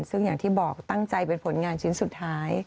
ซึ่งอย่างที่บอกตั้งใจเป็นผลงานชิ้นสุดท้าย